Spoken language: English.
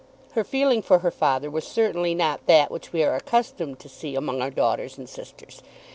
Her feeling for her father was certainly not that which we are accustomed to see among our daughters and sisters.